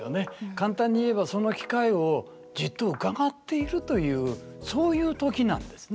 簡単に言えばその機会をじっとうかがっているというそういう時なんですね。